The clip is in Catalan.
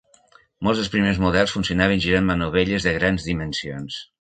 Molts dels primers models funcionaven girant manovelles de grans dimensions.